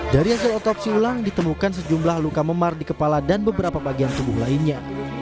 dari hasil otopsi ulang ditemukan sejumlah luka memar di kepala dan beberapa bagian tubuh lainnya